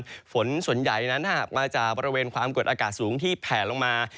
แน่นอนฝนส่วนใหญ่มาจากบริเวณความเกิดอากาศสูงที่แผลลงมา